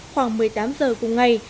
khoảng một mươi tám h cùng ngày